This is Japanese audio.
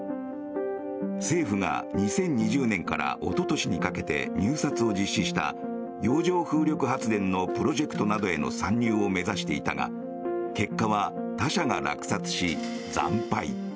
政府が２０２０年から一昨年にかけて入札を実施した洋上風力発電のプロジェクトなどへの参入を目指していたが結果は他社が落札し惨敗。